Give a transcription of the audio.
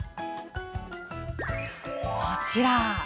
こちら。